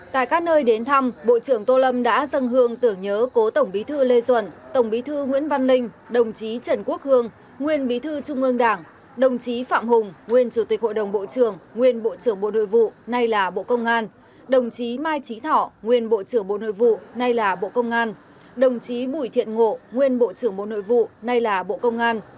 tại các nơi đến thăm bộ trưởng tô lâm đã dâng hương tưởng nhớ cố tổng bí thư lê duẩn tổng bí thư nguyễn văn linh đồng chí trần quốc hương nguyên bí thư trung ương đảng đồng chí phạm hùng nguyên chủ tịch hội đồng bộ trưởng nguyên bộ trưởng bộ nội vụ nay là bộ công an đồng chí mai trí thỏ nguyên bộ trưởng bộ nội vụ nay là bộ công an đồng chí bùi thiện ngộ nguyên bộ trưởng bộ nội vụ nay là bộ công an